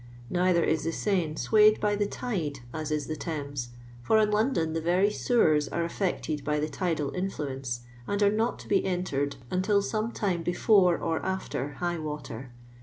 Neither ia the Seine swayed by the tide as is the Thames, for in Lond<in the very sewers are affected by the tidal inlluence, and are not to be entered until some lime before or atUr high water.